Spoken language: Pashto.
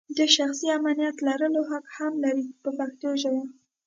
د شخصي امنیت لرلو حق هم لري په پښتو ژبه.